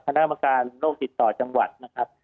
คณะกรรมการโรคติดต่อจังหวัดนะครับ